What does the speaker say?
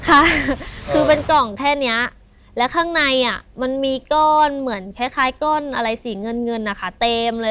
ค่ะคือเป็นกล่องแค่เนี้ยแล้วข้างในอ่ะมันมีก้อนเหมือนคล้ายคล้ายก้อนอะไรสีเงินเงินนะคะเต็มเลย